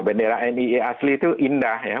bendera nii asli itu indah ya